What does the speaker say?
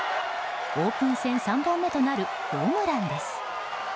オープン戦３号目となるホームランです。